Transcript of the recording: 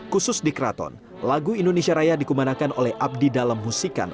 khusus di keraton lagu indonesia raya dikumanakan oleh abdi dalam musikan